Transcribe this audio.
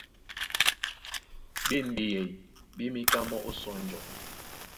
Ɓé ɓeyɛy ɓé měká mɔ́ ó sɔnjɔ.